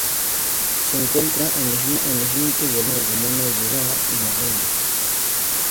Se encuentra en los límites de las comunas de Ñuñoa y La Reina.